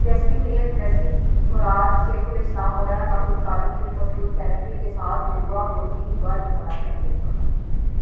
جیسی نیت ویسی مراد ، شیخ الاسلام مولانا طاہرالقادری المشور کینڈیوی کے ساتھ بھی جو ہوا ، وہی ہوا ، جو ہونا چاہئے تھا ۔